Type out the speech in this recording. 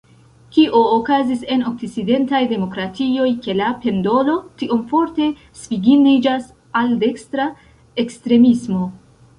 Kio okazis en okcidentaj demokratioj, ke la pendolo tiom forte svingiĝas al dekstra ekstremismo?